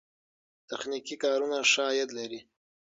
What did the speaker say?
تخنیکي کارونه ښه عاید لري.